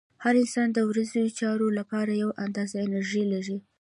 هر انسان د ورځنیو چارو لپاره یوه اندازه انرژي لري.